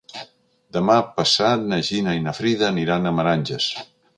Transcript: Demà passat na Gina i na Frida aniran a Meranges.